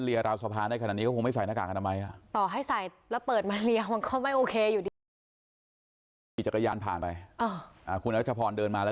เราไม่รู้อ่ะเนอะ